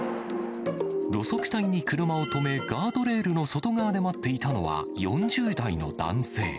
路側帯に車を止め、ガードレールの外側で待っていたのは、４０代の男性。